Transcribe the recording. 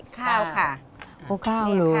ข้าก็ก้าวเลย